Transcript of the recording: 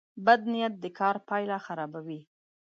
بد نیت د کار پایله خرابوي.